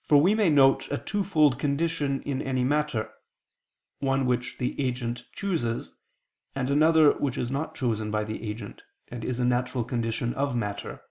For we may note a twofold condition in any matter, one which the agent chooses, and another which is not chosen by the agent, and is a natural condition of matter.